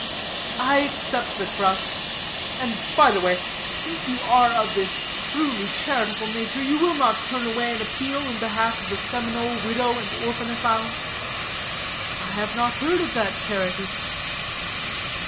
"I accept the trust. And, by the way, since you are of this truly charitable nature, you will not turn away an appeal in behalf of the Seminole Widow and Orphan Asylum?" "I have not heard of that charity."